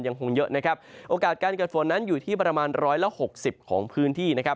ยังคงเยอะนะครับโอกาสการเกิดฝนนั้นอยู่ที่ประมาณ๑๖๐ของพื้นที่